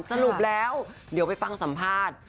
สรุปแล้วเดี๋ยวไปฟังสัมภาษณ์